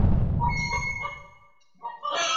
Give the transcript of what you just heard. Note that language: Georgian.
ცოტაა ობსიდიანისა და კერამიკის ნაწარმი.